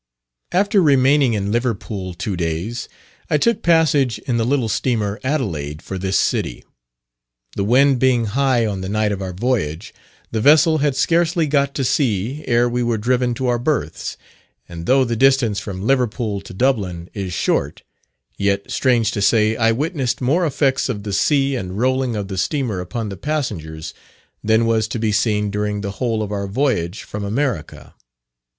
After remaining in Liverpool two days, I took passage in the little steamer Adelaide for this city. The wind being high on the night of our voyage, the vessel had scarcely got to sea ere we were driven to our berths; and though the distance from Liverpool to Dublin is short, yet, strange to say, I witnessed more effects of the sea and rolling of the steamer upon the passengers, than was to be seen during the whole of our voyage from America.